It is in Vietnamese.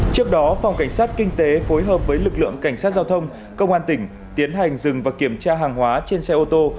trước đó phòng cảnh sát kinh tế phối hợp với lực lượng cảnh sát giao thông công an tỉnh tiến hành dừng và kiểm tra hàng hóa trên xe ô tô